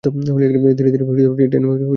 ধীরে ধীরে টেনে ওটা বের করে আনো।